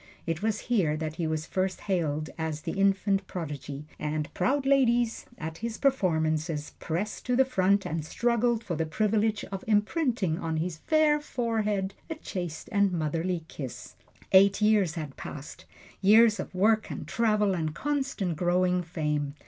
It was here that he was first hailed as the infant prodigy, and proud ladies, at his performances, pressed to the front and struggled for the privilege of imprinting on his fair forehead a chaste and motherly kiss. Eight years had passed: years of work and travel and constant growing fame.